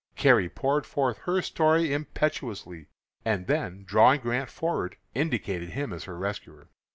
Carrie poured forth her story impetuously, and then drawing Grant forward, indicated him as her rescuer.